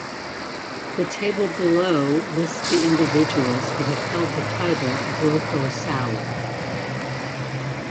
The table below lists the individuals who have held the title of Roko Sau.